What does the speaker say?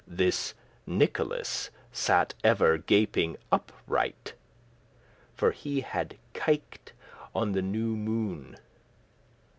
This Nicholas sat ever gaping upright, As he had kyked* on the newe moon.